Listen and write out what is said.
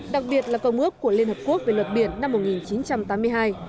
đặc biệt là công ước của liên hợp quốc về luật biển năm một nghìn chín trăm tám mươi hai